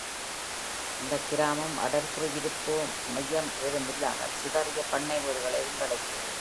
இந்த கிராமம் அடர் குடியிருப்பு மையம் ஏதும் இல்லாமல் சிதறிய பண்ணை வீடுகளை உள்ளடக்கியது.